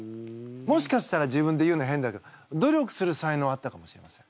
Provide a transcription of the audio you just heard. もしかしたら自分で言うの変だけど努力する才能はあったかもしれません。